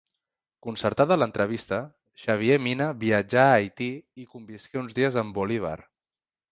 Concertada l'entrevista, Xavier Mina viatjà a Haití i convisqué uns dies amb Bolívar.